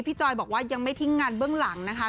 จอยบอกว่ายังไม่ทิ้งงานเบื้องหลังนะคะ